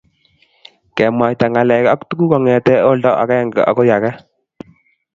kemwaita ngalek ak tuguk kongetee olda agenge akoi age